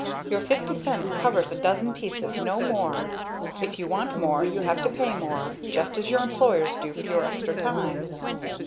"Your fifty cents covers a dozen pieces no more. If you want more you have to pay more, just as your employers do for your extra time."